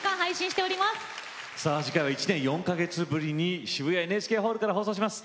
次回は１年４か月ぶりに渋谷ＮＨＫホールで放送します。